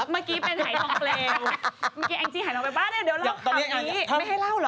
ไม่ให้เล่าหรอ